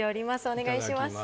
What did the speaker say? お願いします。